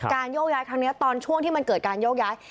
โยกย้ายครั้งนี้ตอนช่วงที่มันเกิดการโยกย้าย